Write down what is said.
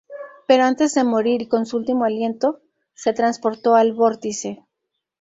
Pero antes de morir y con su último aliento, se transportó al Vórtice.